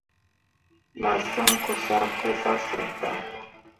Massǝŋ ko syak tǝ zah sǝrri dan.